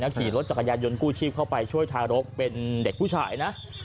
ขี่รถจักรยานยนต์กู้ชีพเข้าไปช่วยทารกเป็นเด็กผู้ชายนะ